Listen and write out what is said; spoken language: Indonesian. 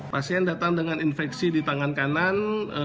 pasien datang dengan infeksi di tangan kanan